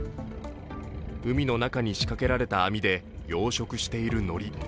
海の中に仕掛けられた網で養殖しているのり。